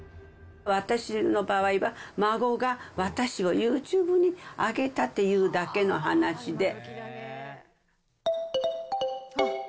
私の場合は、孫が私をユーチューブに上げたっていうだけの話で。